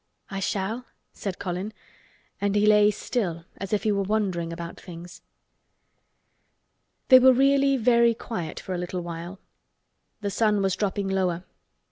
"I shall?" said Colin, and he lay still as if he were wondering about things. They were really very quiet for a little while. The sun was dropping lower.